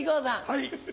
はい。